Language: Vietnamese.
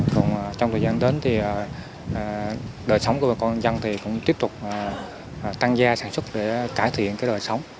còn trong thời gian đến đời sống của bài con dân cũng tiếp tục tăng gia sản xuất để cải thiện đời sống